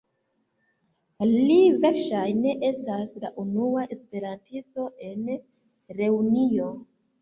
Li verŝajne estas la unua esperantisto en Reunio.